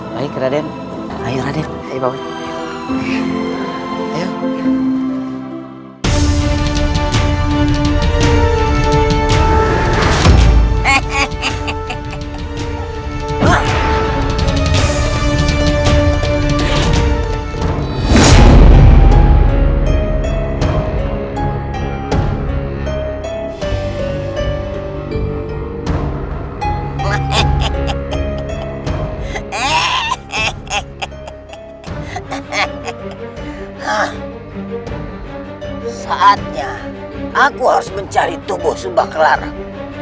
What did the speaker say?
pertandingan berlangsung tiga jurus